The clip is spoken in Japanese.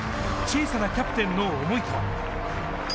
小さなキャプテンの想いとは。